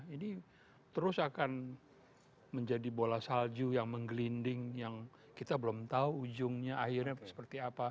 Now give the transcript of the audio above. ini terus akan menjadi bola salju yang menggelinding yang kita belum tahu ujungnya akhirnya seperti apa